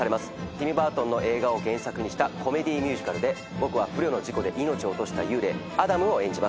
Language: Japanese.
ティム・バートンの映画を原作にしたコメディーミュージカルで僕は不慮の事故で命を落とした幽霊アダムを演じます。